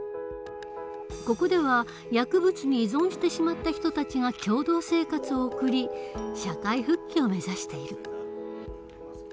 ここでは薬物に依存してしまった人たちが共同生活を送り社会復帰を目指している。